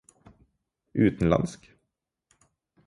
utenlandsk